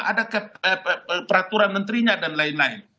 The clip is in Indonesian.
ada peraturan menterinya dan lain lain